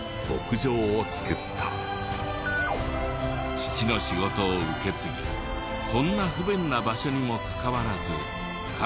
父の仕事を受け継ぎこんな不便な場所にもかかわらず家族で暮らしていた。